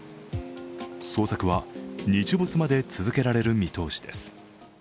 捜索は日没まで続けられる見通しです。